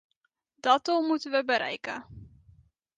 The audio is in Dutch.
Dat doel moeten we bereiken.